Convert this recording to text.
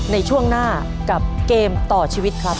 ในช่วงหน้ากับเกมต่อชีวิตครับ